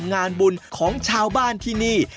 งานบุญของชาวบ้านที่นี่